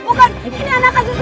bukan ini anak asuh